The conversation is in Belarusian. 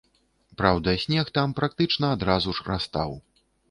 Праўда, снег там практычна адразу ж растаў.